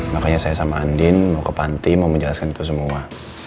makanya saya sama andin mau ke panti mau menjelaskan itu semua